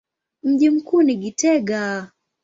Mji mkuu ni Gitega.